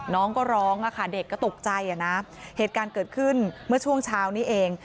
น้องก็ร้องอะค่ะเด็กก็ตกใจอ่ะนะเหตุการณ์เกิดขึ้นเมื่อช่วงเช้านี้เอง